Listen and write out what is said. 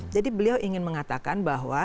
jadi beliau ingin mengatakan bahwa